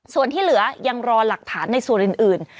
ส่วนที่เหลือยังรอหลักฐานในส่วนอื่น